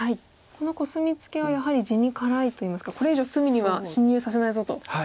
このコスミツケはやはり地に辛いといいますか「これ以上隅には侵入させないぞ」と。